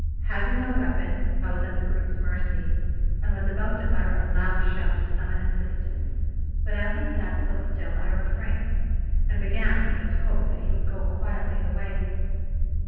Having no weapon, I was at the brute's mercy, and was about to utter a loud shout to summon assistance, but as he sat so still I refrained, and began even to hope that he would go quietly away.